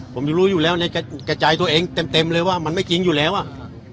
ผมจะรู้อยู่แล้วในกระจายตัวเองเต็มเต็มเลยว่ามันไม่จริงอยู่แล้วอ่ะ